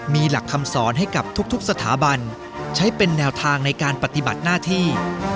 มีหลักคำสอนให้กับทุกสถาบันใช้เป็นแนวทางในการปฏิบัติหน้าที่